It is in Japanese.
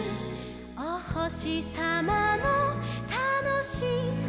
「おほしさまのたのしいはなし」